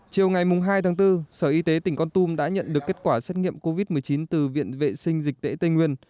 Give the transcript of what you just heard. chiều ngày hai tháng bốn sở y tế tỉnh con tum đã nhận được kết quả xét nghiệm covid một mươi chín từ viện vệ sinh dịch tễ tây nguyên